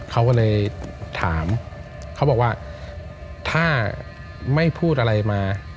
เขาก็เลยถามเขาบอกว่าถ้าไม่พูดอะไรมา